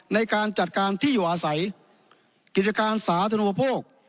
ในการจัดการที่อยู่อาศัยกิจการสาธนูปโภค